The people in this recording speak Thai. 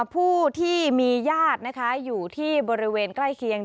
ผู้ที่มีญาตินะคะอยู่ที่บริเวณใกล้เคียง